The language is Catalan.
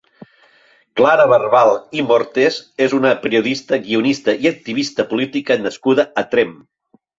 Clara Barbal i Mortes és una periodista, guionista i activista política nascuda a Tremp.